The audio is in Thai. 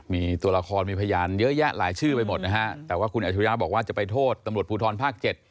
มีตัวละครมีพยานเยอะแยะหลายชื่อไปหมดนะฮะแต่ว่าคุณอัชรุยะบอกว่าจะไปโทษตำรวจภูทรภาค๗